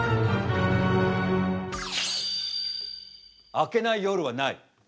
明けない夜はない。